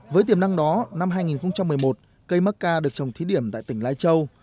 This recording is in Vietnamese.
với tiềm năng đó năm hai nghìn một mươi một cây mắc ca được trồng thí điểm tại tỉnh lai châu